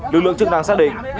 lực lượng chức năng xác định